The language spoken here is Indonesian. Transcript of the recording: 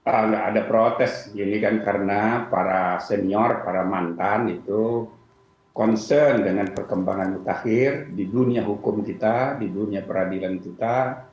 tidak ada protes ini kan karena para senior para mantan itu concern dengan perkembangan mutakhir di dunia hukum kita di dunia peradilan kita